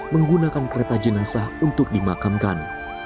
menggunakan kereta jenazah untuk dimakamkan